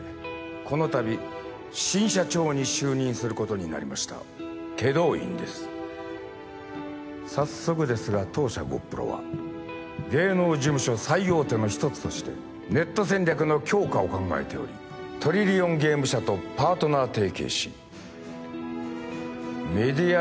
このたび新社長に就任することになりました祁答院です早速ですが当社ゴップロは芸能事務所最大手の一つとしてネット戦略の強化を考えておりトリリオンゲーム社とパートナー提携しメディア